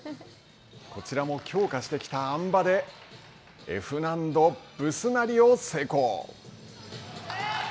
こちらも強化してきたあん馬でＦ難度ブスナリを成功。